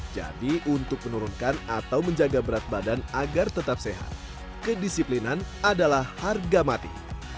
jadi untuk menurunkan atau menjaga berat badan agar tetap sehat kedisiplinan adalah harga mati